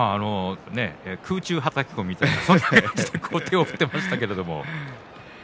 空中はたき込みという感じで手を振っていましたけど。